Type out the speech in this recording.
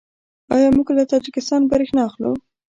آیا موږ له تاجکستان بریښنا اخلو؟